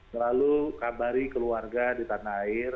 selalu kabari keluarga di tanah air